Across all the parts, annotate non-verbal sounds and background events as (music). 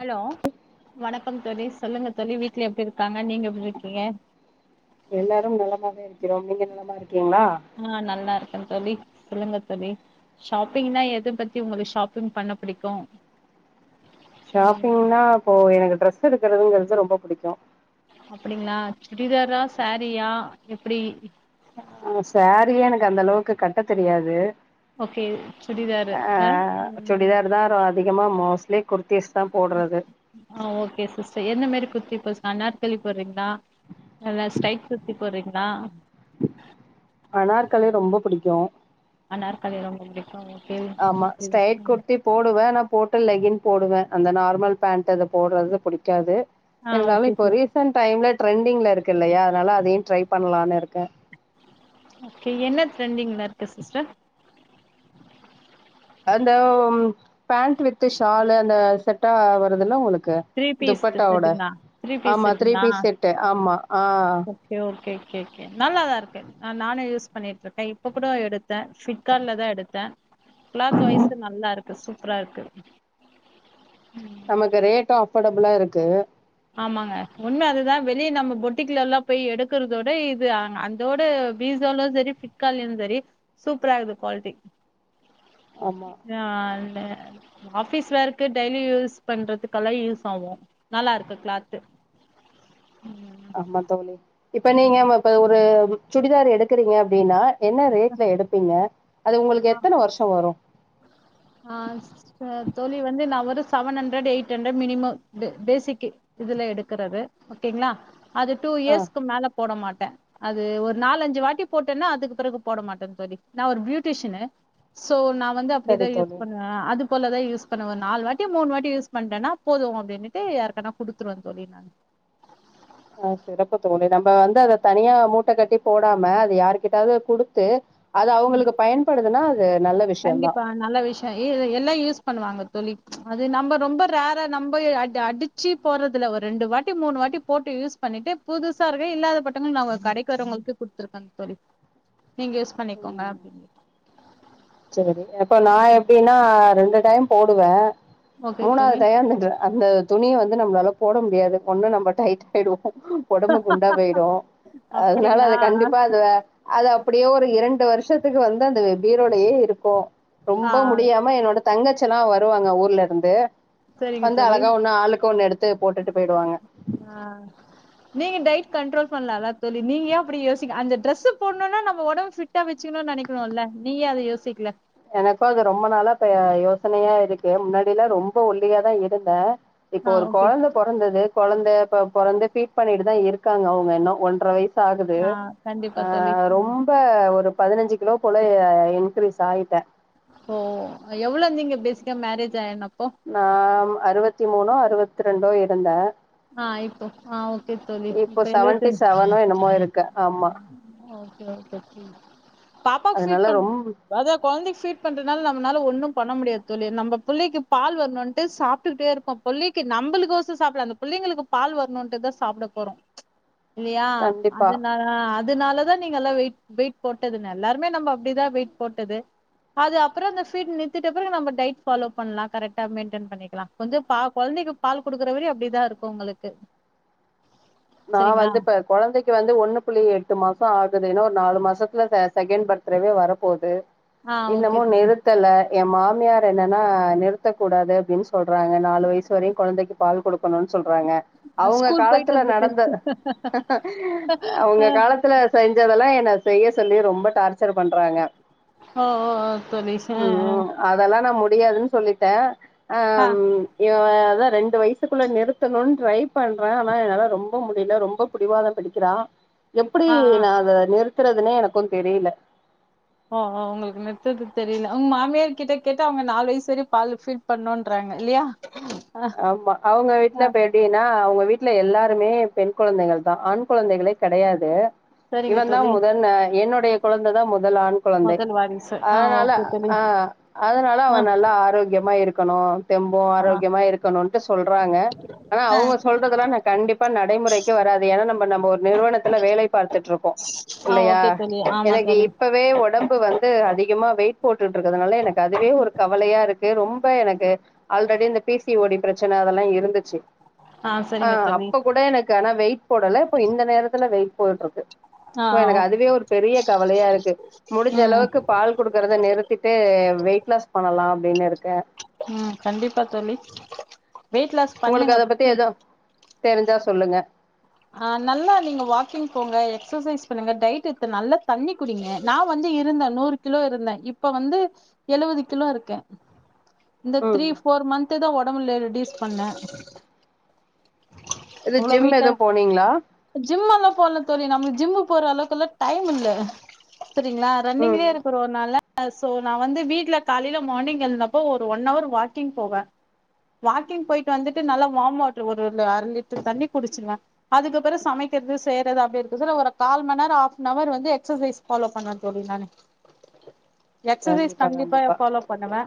Hello வணக்கம் தோழி சொல்லுங்க தோழி வீட்ல எப்டி இருக்காங்க நீங்க எப்டி இருக்கீங்க எல்லாரும் நலமாக இருக்கிறோம் நீங்க நல்லமா இருக்கீங்ளா ஆ நல்லா இருக்க தோழி சொல்லுங்க தோழி ஷாப்பிங்னா எது பத்தி உங்ளுக் ஷாப்பிங் பண்ண பிடிக்கு ம் ஷாப்பிங்னா இப்போ எனக் ட்ரெஸ் எடுக்கறதுங்றது ரொம்ப புடிக்கு அப்டிங்ளா சுடிதாரா சாரீயா எப்டி ஆ சேரீயே எனக்கு அந்த அளவுக் கட்ட தெரியாது ஓகே சுடிதாரு அ ஆ ம் சுடிதார் தா ரோ அதிகமா மோஸ்லி குர்த்திஸ் தா போட்றது ஆ ஓகே சிஸ்டர் என்ன மேரி குர்த்தி போஸ் அனாற்களி போட்றீங்ளா நல்லா ஸ்டெய்ட் குர்த்தி போட்றீங்ளா அனார்களி ரொம்ப புடிக்கு அனார்களி ரொம்ப புடிக்காது ஆமா ஸ்டைட் குர்த்திப் போடுவ ஆனா போட்டு லெகின் போடுவ அந்த நார்மல் பேண்ட் அது போட்றது புடிக்காது ஆ ஓகே இருந்தாலு இப்ப சிஸ் ரீசெண்ட் டைம்ல ட்ரெண்டிங்ல இருக்கு இல்லயா அதனால அதையு ட்ரை பண்லான் இருக்க ஓகே என்ன ட்ரெண்டிங்ல இருக்கு சிஸ்டர் அந்த பேண்ட் வித்து ஷாலு அந்த செட்டா வருதுல்ல உங்ளுக்கு த்ரீ பீஸ் துப்பட்டாவோட செட்டுங்களா த்ரீ பீஸ் ஆமா த்ரீ செட்டுங்களா பீஸ் செட்டு ஆமா ஆ ஓகே ஓகே கே கே நல்லாதா இருக்கு நானே யூஸ் பண்ணிட்ருக்க இப்ப கூட எடுத்த ப்ளிஃப்கார்ட்லதா எடுத்த கிளாத் வாய்சு நல்லா இருக் சூப்ரா இருக்கு நமக்கு ரேட்டு அஃபோடபிளா இருக்கு ஆமாங்க உண்ம அதுதா வெளிய நம்ம பொட்டிக்குலலா பொய் எடுக்குறதோட இது அ அந் இதோட பிசோலயு செரி ப்லிப்காட்லயு செரி சூப்ரா இருக் குவால்டி ஆமா அந்த ஆபிஸ் வேர்கு டெய்லி யூஸ் பண்றதுக்கெல்லா யூஸ் ஆகு நல்லா இருக் கிளாத்து ஆமா தோழி இப்ப நீங்க இப்ப ஒரு சுடிதார் எடுக்குறீங்க அப்டின்னா என்ன ரேட்ல எடுப்பீங்க அது உங்ளுக்கு எத்தன வருஷொ வரு அ தோழி வந்து நா வந்து seven hundred eight hundred minimum பேசிக்கு இதுல எடுக்குறது ஓகேங்ளா அது டூ ஆ இயர்ஸ்க்கு மேல போட மாட்டே அது ஒரு நாலஞ்சு வாட்டி போட்டேன்னா அதுக் பெறகு போட மாட்டே தோழி நா ஒரு பியூ டிஷ்னு ஸோ நா வந்து அப்டி சரி தா யூஸ் தோழி பண்ணுவே ஆ அது போலதா யூஸ் பண்ணுவன் நாலு வாட்டி மூணு வாட்டி யூஸ் பண்டேன்னா போது அப்டினுட்டு யாருக்கனா குடு த்துருவே தோழி நானு ஆ சிறப்பு தோழி நம்ப வந்து அதத் தனியா மூட்ட கட்டி போடாம அது யாருகிட்டயாது குடுத்து அது அவுங்களுக்கு பயன்படுதுன்னா அது நல்லது கண்டிப்பா நல்ல விஷ்யோ இய் எல்லா யூஸ் பண்ணுவாங்க தோழி அது நம்ப ரொம்ப ரேரா நம்ப அடி அடிச் வச்சிப் போறதுல ஒரு ரெண்டு வாட்டி மூணு வாட்டி போட்டு யூஸ் பண்ணிட்டு புதுசா இருக்கு இல்லாதபட்டவங்களுக் நாங்க கடைக்கு வரவங்களுக்கு குடுத்துருக்கன் தோழி நீங்க யூஸ் பண்ணிக்கோங்க ம் அப்டின் இட்டு சரி இப்ப நா எப்டின்னா ரெண்டு டைம் போடுவே ஓகே மூணாது தோழி டயோ (unintelligible) அந்த துணிய வந்து நம் மளால போட முடியாது ஒண்ணு நம்ம டைட் ஆயிடுவோ ஒடம்பு குண்டாப் போயிடு அதனால அப்படிங்களா அதக் கண்டிப்பா அது அத அப்டியே ஒரு இரண்டு வருஷத்துக்கு வந்து அந்த பீரோலையே இருக்கு ஆ ரொம்ப முடியாம என்னோட தங்கச்சல்லா வருவாங்க ஊர்ல இருந்து சரிங்க வந்து தோழி அழகா ஒண்ணு ஆளுக்கு ஒண்ணு எடுத்து போட்டுட்டு போயிடுவாங்க ஆ நீங்க டயட் கண்ட்ரோல் பண்ணலால்ல தோழி நீங்க ஏ அப்டி யோசிக்க அந்த டிரெஸ் போட்ணுன்னா நம்ம ஒடம்பு ஃபிட் பிட்டா வச்சுக்கணுன்னு நெனைக்குணுல்ல நீங்க ஏ அத யோசிக்ல எனக்கு அது ரொம்ப நாளா இப்ப யோசனையா இருக்கு முன்னாடியில்லா ரொம்ப ஒல்லியாத்தா இருந்தே இப்போ ஆ ஒரு ஓகே கொழந்த பொறந்தது கொழந்த பொ பொறந்து ஃபீட் பண்ணிட்டு தா இருக்காங்க அவங்க இன்னு ஒன்றர வய் (unintelligible) ஆகுது ஆ அ கண்டிப்பா தோழி ம் ரொம் இப்ப ஒரு பதனஞ்சு கிலோ போல அ இன்கிரீஸ் ஆய்ட்டே ஓ எவ்ளோ இருந்தீங்க பேசிக்கா மேரேஜ் ஆயினப்போ நாம் அறுவத்திமூணோ அறுவத்ரெண்டோ இருந்தே ஆ இப்போ ஆ ஓகே தோழி இப்போ இப்ப செவன்டி எழுவத்தஞ் செவனோ என்னமோ இருக்கே ஆமா ஓகே ஓகே (inaudible) பாப்பாக்கு ஃபீட் அதனால ரொம் பண்டிட் (inaudible) அதா கொழந்தைக்கு ஃபீட் பண்றதுனால நம்மளால ஒண்ணும் பண்ண முடியாது தோழி நம்ப புள்ளைக்கு பால் வரணுன்னுட்டு சாப்ட்டுக்கிட்டே இருப் அ புள்ளைக்கு நம்பளுக் கோசோ சாப்டல அந்த புள்ளைங்களுக்கு பால் வரணுன்ட்டு தா சாப்டப் போறோ இல்லையா கண்டிப்பா அதுனால ஆ அதுனாலதா நீங்க எல்லா வெயிட் வெயிட் போட்டது என்ன எல்லாருமே நம்ப அப்டித்தா வெயிட் போட்டது அது அப்புரோ அந்த ஃபீ்ட் நிறுத்திட்டப் பெறகு நம்ம டையட் ஃபாலோ பண்ணலா கரெக்டா மெயின்டன் பண்ணிக்கலா கொஞ்சோ பா கொழந்தைக்கு பால் குடுக்குற வரயு அப்டித்தா இருக்கு உங்ளுக்கு நா வந்து இப்ப கொழந்தைக்கு வந்து ஒண்ணு புள்ளி எட்டு மாசொ ஆகுது ஏன்னா ஒரு நாலு மாசத்துல செகண்ட் பர்த்டேவே வரப்போகுது ஆ ஓகே இன்னமு தோழி நிறுத்தல எம் மாமியார் என்னன்னா நிறுத்தக் கூடாது அப்டின்னு சொ சொல்றாங்க நாலு வயசு வரையு கொழந்தெக்கு பால் குடுக்கணுன் சொல்றாங்க அவ்ங்க ஸ்கூல் போயிட்டு காலத்துல வந்துட்டு நடந் ஆ அவுங்க காலத் த்துல செஞ்சதெல்லா என்ன செய்ய சொல்லி ரொம்ப டார்ச்சர் பண்றாங்க ஓ ஓ ஓ தோழி ச அ அ ம் அதெல்லா நா முடியாதுன் சொல்லிட்டே அ ஆ ஆ ம் இவன் அதா ரெண்டு வய்சுக்குள்ள நிறுத்தணுன் ட்ரை பண்றே ஆனா என்னால ரொம் ரொம்ப முடில ரொம்ப பிடிவாதோ புடிக்கிறா எப்பிடி ஆ ஆ. நா அத நிறுத்துறதுன்னே எனக்கு தெரில ஓ ஓ உங்களுக்கு நிறுத்துறதுக்கு தெரில உங்க மாமியார் கிட்ட கேட்டா அவுங்க நாலு வய்சு வரையு பாலு ஃபீட் பண்ணுன்றாங்க இல்லெயா ஹ்ம் ஆமா அவுங்க வீட்ல பெட் எப்டின்னா அவுங்க வீட்ல எல்லாருமே பெண் கொழந்தைகள் தா ஆண் கொழந்தைகளே கெடையாது சரிங்க இவன் தான் தோழி முதன் என்னுடைய குழந்த தா முதல் ஆண் கொழந்தை முதல் வாரிசு ஆ அதனால ஓகே தோழி ஆ அதனால ஆ அவன் நல்லா ஆரோக்யமா இருக்கணு தெம்பு ஆ ஆரோக்யமா இருக்கணுன்ட்டு சொல்றாங்க ஆனா அவுங்க சொல்றதுல்லா நா கண்டிப் ப்பா நடைமுறைக்கே வராது எனா நம்ப நம்ப ஒர் நிறுவனத்துல வேலை பார்த்துட்டு இருக்கோ ஆ இல்லையா ஓகே தோழி ஆமா எனக்கு தோழி இப்ப வே ஒடம்பு வந்து அதிகமாக வெய்ட் போட்டுட்டு இருக்கறனால எனக்கு அதுவே ஒரு கவலையா இருக்கு ரொம்ப எனக்கு ஆல்ரெடி இந்த பீ சி ஓ டி ப்ரச்சன அதெல்லா இருந்துச்சு ஆ அ சரிங்க தோழி அப்ப கூட எனக் கு ஆனா வெய்ட் போடல இப்ப இந்த நேரத்துல வெய்ட் போட்டுட்டு இருக்கு ஆ சோ ஆ எனக்கு ஓகே அதுவே ஒரு பெரிய கவலயா இருக்கு முடுஞ்ச ம் அளவுக்கு பால் குடுக்றத நிறுத்திட்டு வெய்ட் லாஸ் பண்ணலா அப்டின்னு இருக்கே ம் கண்டிப்பா தோழி வெய்ட் லாஸ் உங்களுக்கு பண்ணுங்க அத பத்தி எதா தெருஞ்சா சொல்லுங்க ஆ நல்லா நீங்க வாக்கிங் போங்க எக்சசைஸ் பண்ணுங்க டைட் த்த நல்லா தண்ணி குடிங்க நா வந்து இருந்த நூறு கிலோ இருந்த இப்ப வந்து எழுவது கிலோ இருக்கே இந்த த்ரீ ம் ஃபோர் மந்துதா ஒடம்புல ரெடியூஸ் பண்ண அவ்ளோ வெய்ட்டா நீங்ளா ஜிம் எல்லா போல தோழி நம்மளுக்கு ஜிம்மு போற அளவுக்குல்லா டைம் இல்ல செரிங்களா ம் ரன்னிங்லே இருக்கறோ னாலா சோ நா வந்து வீட்ல காலேல மார்னிங் எழுந்தப்போ ஒரு வன் ஹவர் வாக்கிங் போவெ வாக்கிங் போய்ட்டு வந்துட்டு நல்லா வாம் வாட்ரு ஒரு அந் அர லிட்டர் தண்ணி குடிச்சிருவ அதுக்கப்பறோ சமக்கெற்து செய்றது அப்டி இருக்க சொல்ல ஒரு கால் மண் நேரோ ஆஃப்னவர் வந்து எக்சசைஸ் ஃபாலோ பண்ணுவ தோழி நானு எக்சசைஸ் கண்டிப்பா எ ஃபாலோ பண்ணுவ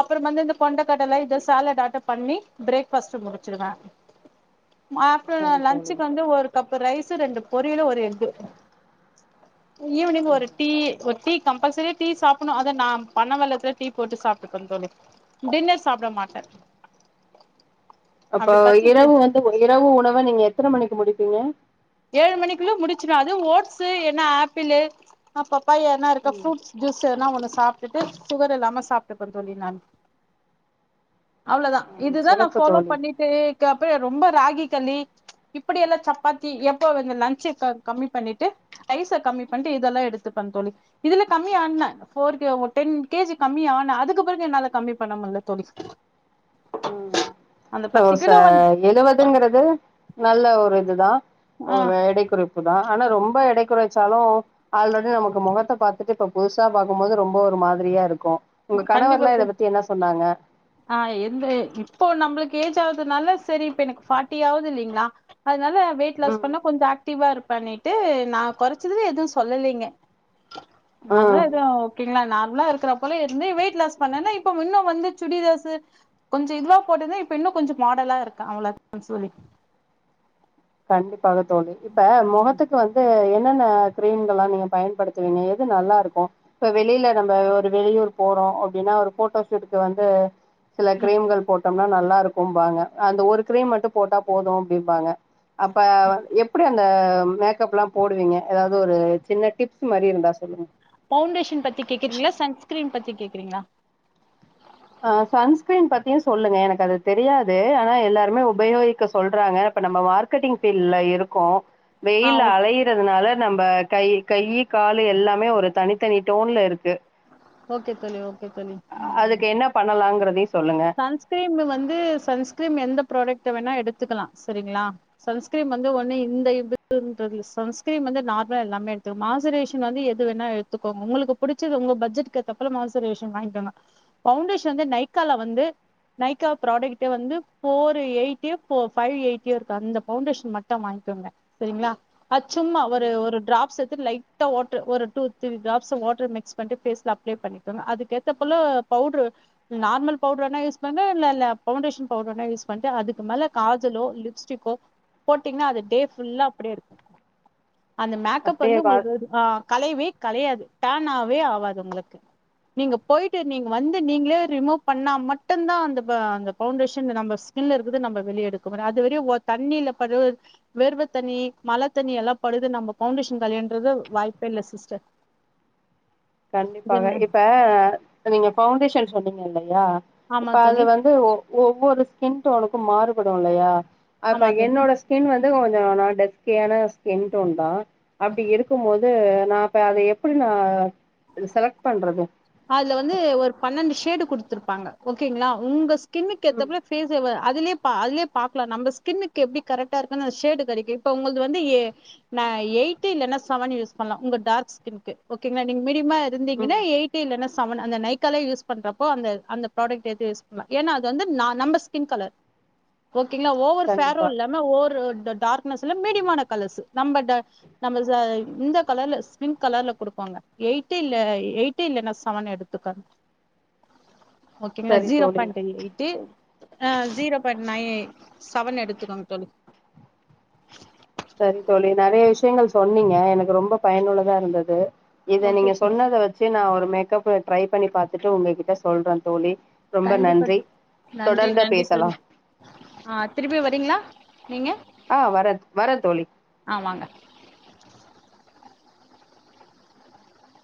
அப்றம் வந்து இந்த கொண்டைக்கடல இத சாலட் ஆட்டம் பண்ணி பிரேக் பாஸ்ட் முடிச்சுருவன் மாட்டர் நா சரி தோழி லன்சுக்கு வந்து ஒரு கப் ரைஸ்ஸு ரெண்டு பொரியலு ஒரு எக்கு ஈவினிங் ஒரு ம்ஹ்ம். டீ ஒரு டீ கம்பல்சரியா டீ சாப்பணு அதா நா பனவெள்ளத்துல டீ போட்டு சாப்ட்டுப்ப தோழி டின்னர் சாப்ட மாட்ட அப்ப அப்டி பசிச்சு இரவு வந்து ஒ இரவு உணவ நீங்க எத்தன மணிக்கு முடிப்பீங்க ஏழு மணிக்குள்ள முடிச்சுருவ அது ஓட்ஸ்சு என்ன ஆப்பிளு பப்பாயா என்ன இருக்கோ ம் ஃப்ரூட்ஸ் ஜூஸ் எதுன்னா ஒன்னு சாப்ட்டுட்டு சுகர் இல்லாம சாப்ட்டுப தோழி நான் அவ்ளோதா ம். இதுதா நா சிறப்பு ஃபாலோ தோழி பண்ணி தே கப்பு ரொம்ப ராகி களி இப்பிடி எல்லா சப்பா த்தி எப்ப லஞ்சு க கம்மி பண்ணிட்டு ரைஸ்ச கம்மி பண்ட்டு இதெல்லா எடுத்துப்பன் தோழி இதுல கம்மியா ஆட்ன போர் கே டென் கேஜி கம்மி ஆன அதுக்கு பிறகு என்னால கம்மி பண்ண முடில தோழி அந்த சோ பத்து கிலோ வந்து சாட் எழுவதுங்கிறது நல்ல ஒரு இதுதான் ஆ எடை குறை புதான் ஆனா ரொம்ப எடை குறைச்சாலும் அதுலோட நமக்கு முகத்தை பாத்துட்டு இப்ப புதுசா பாக்கும் போது ரொம்ப ஒரு மாதிரியா இருக்கும் உங்க கண்டிப்பா கணவர்லாம் இத பெண் பத்தி என்ன சொன்னாங்க ஆ எந்த இப்போ நம்மளுக்கு ஏஜ் ஆகுதுனால சரி இப்ப எனக்கு ஃபாட்டி ஆகுது இல்லைங்களா அதனால வெயிட் லாஸ் ம் பண்ணா கொஞ்சம் ஆக்டிவா இருப்பான்னுட்டு நான் கொறைச்சதுல எதும் சொல்லலீங்க ம் நார்மலா எதுவும் ஓகேங்களா நார்மலா இருக்கு குல இருந்து வெயிட் லாஸ் பண்ணன்னா இப்ப இன்னும் வந்து சுடிதார்சு கொஞ்சம் இதுவா போட்டிருந்தான் இப்ப இன்னும் கொஞ்சம் மாடலா இருக்கன் அவ்ளோ தான் தோழி கண்டிப்பாக தோழி இப்ப முகத்துக்கு வந் து என்னென்ன கிரீம்கல்லாம் நீங்க பயன்படுத்துவீங்க எது நல்லா இருக்கும் இப்ப வெளில நம்ம ஒரு வெளியூர் போறோம் அப்டின்னா ஒரு போட்டோ ஷூட்டுக்கு வந்து சில ம் கிரீம்கள் போட்டோம்னா நல்லா இருக்கும்பாங்க அந்த ஒரு கிரீம் மட்டும் போட்டா போதும் அப்டிம்பாங்க அப்ப எப் எப்டி அந்த மேக்கப் எல்லாம் போடுவீங்க ஏதாவது ஒரு சின்ன டிப்ஸ் மாரி இருந்தா சொல்லுங்க பவுண்டேஷன் பத்தி கேக்குறீங்களா சன்ஸ்கிரீன் பத்தி கேக்குறீங்களா ஆ சன்ஸ்கிரீன் பத்தியு சொல்லுங்க எனக்கு அது தெரியாது ஆனா எல்லாருமே உபயோகிக்க சொல்றாங்க இப்ப நம்ம மார்க் க்கெட்டிங் பீட்ல இருக்கோ ஆ வெயில்ல ஓக் அலைய் யருதுனால நம்ம கை கை கால் எல்லாமே ஒரு தனித்தனி டோன்ல இருக்கு ஓகே தோழி ஓகே தோழி ம் ம் அதுக்கு என்ன பண்ணலாங்கறதையு சொல்லுங்க சன்ஸ்கிரீம் வந்து சன்ஸ்கிரீம் எந்த ப்ராடக்ட் வேணா எடுத்துக்கலா செரிங்களா சன்ஸ்கிரீம் வந்து ஒன்னு இந்த இதுன்றதுயில் சன்ஸ்கிரீன் வந்து நார்மலா எல்லாமே எடுத்துக்கு மாசுரேஷ் வந்து எது வேணா எடுத்துக்கோங்க உங்களுக்கு புடிச்சது உங்க பட்ஜெட்க்கு ஏத்த போல மாய்ஷ்ரேசன் வாங்கிங்கோங்க பவுண்டேஷன் வந்து நைக்கால வந்து நைக்கா ப்ராடக்ட்ட வந்து ஃபோர் எய்டிட்டியோ ஃபைவ் எய்டியோ இருக்கு அந்த பவுண்டேஷன் மட்டு வாங்கிக்கோங்க செரிங்களா அச்சும்மா ஒரு ஒரு டிராப்ஸ் எடுத்துட்டு லைட்டா ஒரு டூ திரி டாட் வாட்டர் மிக்ஸ் பண்ணிட்டு பேஸ்ல அப் அப்ளே பண்ணிக்கோங்க அதுக்கு ஏத்த போல பவுடரு நார்மல் பவுடர்னா யூஸ் பண்ணு இல்ல இல்ல பவுண்டேஷன் பவுடர் வேண யூஸ் பண்ட்டு அதுக்கு மேல காஜலோ லிப்ஸ்டிக்கோ போட்டிங்கன்னா அது டே ஃபுல்லா அப்டியே இருக்கு அந்த மேக்கப் வந்து அப்டியே உங்களுக்கு ஆ கலையவே கலையாது டேன் ஆவே ஆவாது உங்களுக்குக் நீங்க போயிட்டு நீங்க வந்து நீங்களே ரிமூவ் பண்ணா மட்டும்தா அந்த அந்த பவுண்டேஷன் நம்ம இல்ல இருக்குறது நம்ம வெளிய எடுக்குறோ அதுவரையு ஓ தண்ணியில பட்ர வேர்வ தண்ணி மழ தண்ணி எல்லா படுது நம்ம பவுண்டேஷன் களையண்றது வாய்ப்பே இல்ல சிஸ்டர் இது கண்டிப்பாக என்ன இப்ப நீங்க பஃவுண்டேஷன் சொன்னீங்க இல்லையா ஆமா இப்ப அதுல தோழி வந்து ஓ ஒவ்வொரு ஸ்கின் டோனுக்கும் மாறுபடும் இல்லையா அப்ப ஆமா தோழி என்னோட ஸ்கின் வந்து கொஞ்சோ டஸ்கியான ஸ்கின் டோன் தான் அப்டி இருக்கு போத் வந்து நான் இப்ப அத எப்டி நா செலக்ட் பண்றது அதுல வந்து ஒரு பன்னெண்டு ஷேடு குடுத்துருப்பாங்க ஓகேங்களா உங்க ஸ்கின்னுக்கு ம் ஏத்தப்ப பேஸ் ஒவர் அதுலே பா அதுலயே பாக்கலா நம் ஸ்கின்னுக்கு எப்டி கரெக்டா இருக்குன்னனு அந்த ஷேடு கிடைக்கும் இப்ப உங்கள்து வந்து எ நா எயிட் இல்ன்னா செவன் யூஸ் பண்ணலா உங்க டார்க் ஸ்க்கின்க்கு ஓகேங்களா நீங்க மிடியமா ம் இருந்தீங்கன்னா எயிட் யிட் இல்லன்னா செவன் அந்த நைக்கால யூஸ் பண்றப்போ அந்த அந்த ப்ராடக்ட்ஸ்லா ஏது அது யுஸ் பண்ணலா ஏன்னா அது நம்ம பிங்க் கலர் ஓகேங்களா ஒவ்வொரு செரோ கண்டிப்பா இல்லாம ஒவ்வொரு டார்க் சில மீடியமான கலர்ஸ் நம்ம ட நம்ம இந்த கலர்ல ஸ்கின் கலர்ல குடுப்பாங்க எய்ட்டு இல்ல எய்ட் எய்ட்டு இல்லனா செவன் எடுத்துப்ப ஓகேங்களா சரி ஜீரோ தோழி பாயிண்ட் எய்ட்டு ஆ ஜீரோ பாயிண்ட் நைன் செவன் எடுத்துக்கோங்க தோழி சரி தோழி நெறைய விஷயங்கள் சொன்னீங்க எனக்கு ரொம்ப பயனுள்ளதா இருந்தது இத ஓகே நீங்க தோழி சொன்னத வச்சு நா ஒரு மேக்கப்பு ட்ரை பண்ணி பாத்துட்டு உங்ககிட்ட சொல்ற தோழி ரொம்ப கண்டிப்பா நன்றி நன்றி தொடர்ந்து நன்றி தோழி பேசலாம் ஆ திருப்பி வரீங்களா நீங்க ஆ வர வரன் தோழி ஆ வாங்க